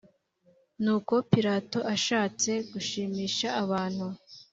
Nuko Pilato ashatse gushimisha abantu